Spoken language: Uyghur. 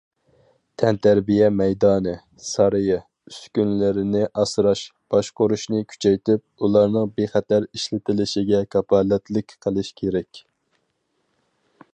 تەنتەربىيە مەيدانى، سارىيى، ئۈسكۈنىلىرىنى ئاسراش، باشقۇرۇشنى كۈچەيتىپ، ئۇلارنىڭ بىخەتەر ئىشلىتىلىشىگە كاپالەتلىك قىلىش كېرەك.